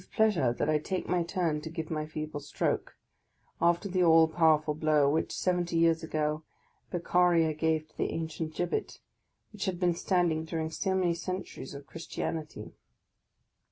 pleasure that I take my turn to give my feeble stroke, after the all powerful blow which, seventy years ago, Beccaria gave to the ancient gibbet, which had been standing during so many centuries of Christianity.